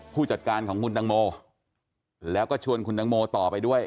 ผู้จัดการของคุณตังโมแล้วก็ชวนคุณตังโมต่อไปด้วย